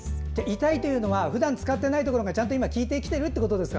痛いというのはふだん使っていないところがちゃんと効いてきているということですか。